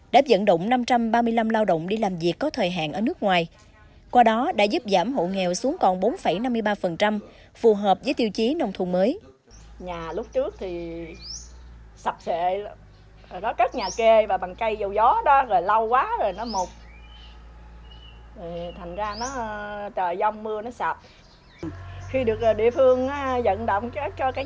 đã dẫn động năm trăm ba mươi năm lao động đi làm việc có thời hạn ở nước ngoài qua đó đã giúp giảm hộ nghèo xuống còn bốn năm mươi ba phù hợp với tiêu chí nông thôn mới